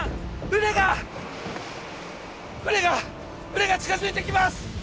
船が船が近づいてきます！